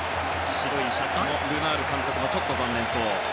白いシャツのルナール監督もちょっと残念そう。